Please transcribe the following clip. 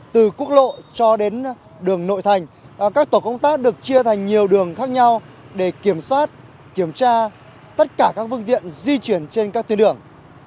từ quốc lộ cho đến đường nội thành các tổ công tác được chia thành nhiều đường khác nhau để kiểm soát kiểm tra tất cả các vương tiện di chuyển trên các tuyến đường